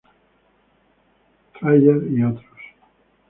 Fryer et al.